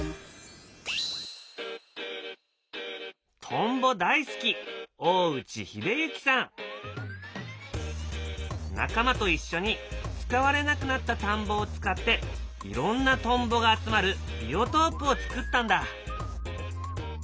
トンボ大好き仲間と一緒に使われなくなった田んぼを使っていろんなトンボが集まるビオトープをつくったんだ。